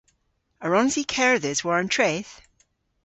A wrons i kerdhes war an treth?